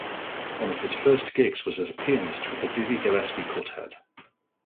One of his first gigs was as pianist with the Dizzy Gillespie quartet.